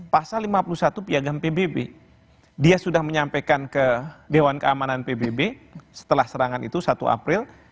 pasal lima puluh satu piagam pbb dia sudah menyampaikan ke dewan keamanan pbb setelah serangan itu satu april